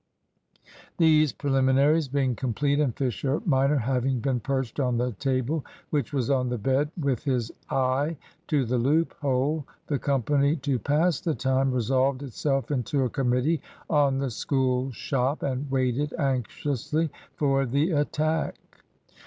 These preliminaries being complete, and Fisher minor having been perched on the table (which was on the bed), with his eye to the loophole, the company, to pass the time, resolved itself into a committee on the School shop, and waited anxiously for the attack.